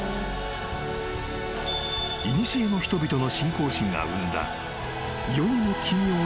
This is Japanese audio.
［いにしえの人々の信仰心が生んだ］